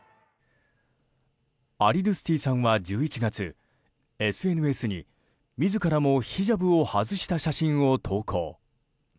アリドゥスティさんは１１月ＳＮＳに自らもヒジャブを外した写真を投稿。